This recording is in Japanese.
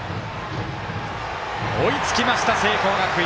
追いつきました、聖光学院。